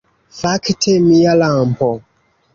Fakte, mia lampo